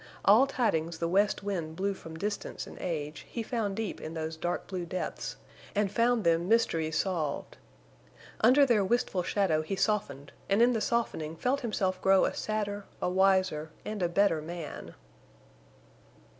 All tidings the west wind blew from distance and age he found deep in those dark blue depths, and found them mysteries solved. Under their wistful shadow he softened, and in the softening felt himself grow a sadder, a wiser, and a better man.